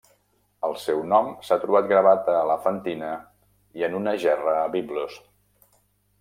El seu nom s'ha trobat gravat a Elefantina i en una gerra a Biblos.